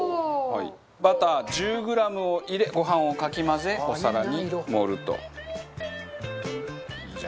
バター、１０ｇを入れご飯をかき混ぜ、お皿に盛ると。